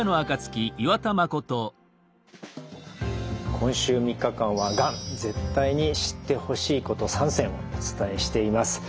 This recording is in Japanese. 今週３日間は「がん絶対に知ってほしいこと３選」お伝えしています。